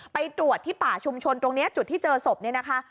ไปตรวจที่ป่าชุมชนตรงนี้จุดที่เจอศพเนี่ยนะคะ